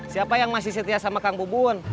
siapa yang masih setia sama kang bubun